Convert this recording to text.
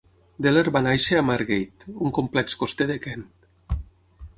Deller va néixer a Margate, un complex coster de Kent.